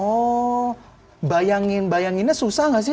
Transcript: oh bayangin bayanginnya susah nggak sih